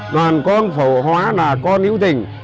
đoàn con phổ hóa là con hiếu tình